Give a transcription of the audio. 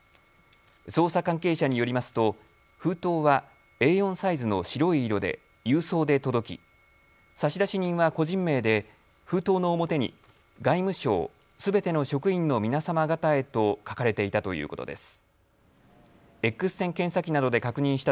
捜査関係者によりますと封筒はＡ４サイズの白色で郵送で届き差出人は個人名で封筒の表に外務省すべての職員のみなさま方へと書かれていたということです。